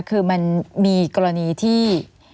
คือมันมีกรณีที่